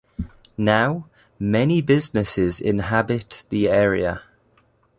Now, many businesses inhabit the area.